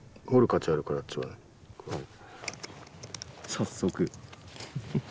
早速。